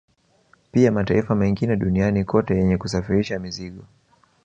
Pia mataifa mengine duniani kote yenye kusafirisha mizigo